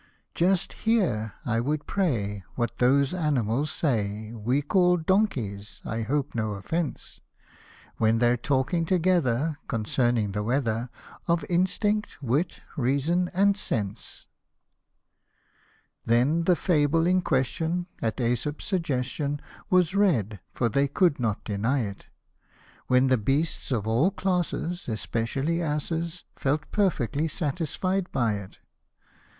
" Just hear, I would pray, what those animals say We call donkeys, I hope no offence ; When they're talking together concerning the weather, Of instinct, wit, reason, and sense." 127 Then the fable in question, at jEsop's suggestion, Was read, (for they could not deny it) ; When the beasts of all classes, especially asses, Felt perfectly satisfied by it.